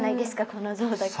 この像だけ。